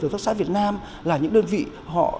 đồng pháp xã việt nam là những đơn vị họ